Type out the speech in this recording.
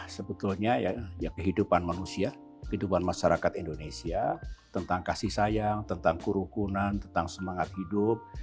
sebetulnya ya kehidupan manusia kehidupan masyarakat indonesia tentang kasih sayang tentang kurukunan tentang semangat hidup